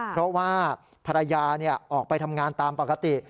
เพราะว่าภรรยาออกไปทำงานตามปกติ